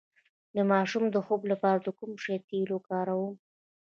د ماشوم د خوب لپاره د کوم شي تېل وکاروم؟